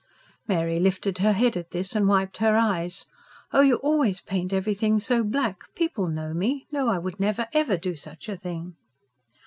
Mary lifted her head at this, and wiped her eyes. "Oh, you always paint everything so black. People know me know I would never, never do such a thing."